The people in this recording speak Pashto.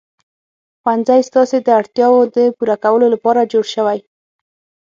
ښوونځی ستاسې د اړتیاوو د پوره کولو لپاره جوړ شوی.